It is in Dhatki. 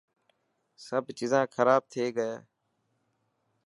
سڀ چيزان خراب ٿي گئي.